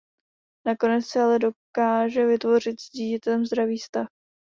Nakonec si ale dokáže vytvořit s dítětem zdravý vztah.